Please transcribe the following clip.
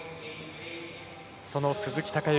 その鈴木孝幸